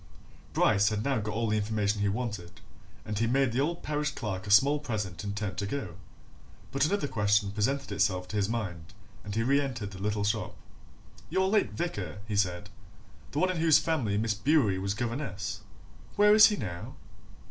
Bryce had now got all the information he wanted, and he made the old parish clerk a small present and turned to go. But another question presented itself to his mind and he reentered the little shop. "Your late vicar?" he said. "The one in whose family Miss Bewery was governess where is he now?